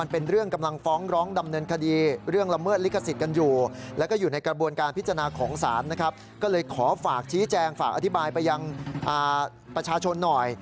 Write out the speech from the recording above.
ประชาชนหน่อย